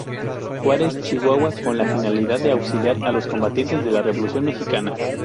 Juárez, Chihuahua, con la finalidad de auxiliar a los combatientes de la revolución Mexicana.